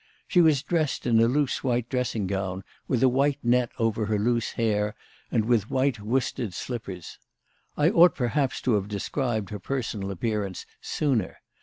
She was dressed in a loose white dressing gown, with a white net over her loose hair, and with white worsted slippers. I ought perhaps to have described her personal appearance sooner.